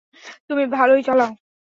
তুমি ভালই চালাও।